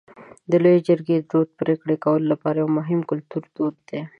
د لویې جرګې دود د پرېکړو کولو لپاره یو مهم کلتوري دود دی.